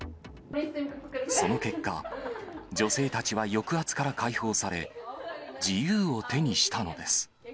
その結果、女性たちは抑圧から解放され、自由を手にしたのです。